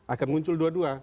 akan muncul dua dua